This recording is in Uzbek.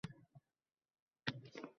Millionlab iqtidorlarni esa yerga ko‘mdik.